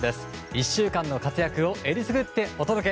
１週間の活躍をえりすぐってお届け！